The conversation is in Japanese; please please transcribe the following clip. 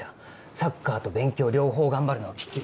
サッカーと勉強両方頑張るのはキツい。